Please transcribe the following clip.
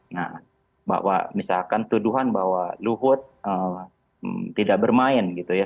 nah bahwa misalkan tuduhan bahwa luhut tidak bermain gitu ya